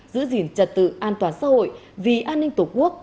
giữ gìn trật tự an toàn xã hội vì an ninh tổ quốc